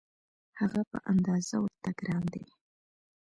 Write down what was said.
هغه په اندازه ورته ګران دی.